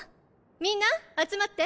みんな集まって。